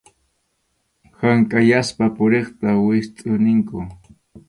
Hank’ayaspa puriqta wistʼu ninkum.